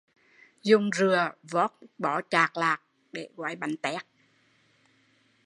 Dùng rựa vót một bó chạc lạt để gói bánh tét